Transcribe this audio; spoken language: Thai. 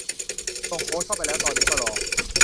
ส่งโค้ดเข้าไปแล้ว ตอนนี้ก็รอ